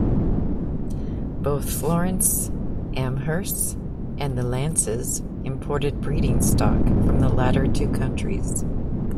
Both Florence Amherst and the Lances imported breeding stock from the latter two countries.